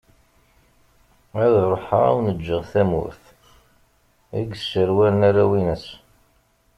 Ad ruḥeγ ad awen-ğğeγ tamurt i yesserwalen arraw_ines.